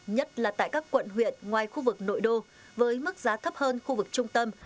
nhất là tại các quận huyện ngoài khu vực nội đô với mức giá thấp hơn khu vực trung tâm